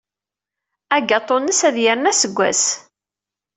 Agatu-nnes ad yernu aseggas.